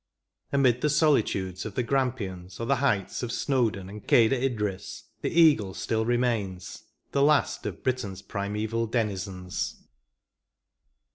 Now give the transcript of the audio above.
Amid the solitudes of the Grampians, or the heights of Snowden and Cadir Idris, the eagle still remains, the last of Britain s primeval denizens.